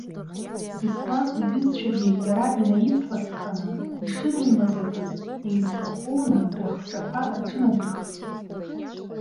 Беслан иҩызцәагьы иара инаицласханы, ишынеимазакыз еицырхәоуны рыхҿақәа рҿынадырхеит.